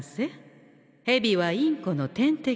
ヘビはインコの天敵。